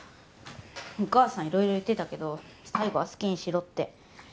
お母さんいろいろ言ってたけど最後は好きにしろって。